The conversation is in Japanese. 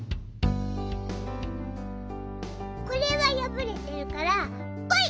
これはやぶれてるからぽい！